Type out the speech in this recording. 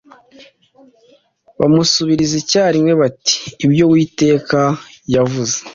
bamusubiriza icyarimwe bati Ibyo Uwiteka yavuze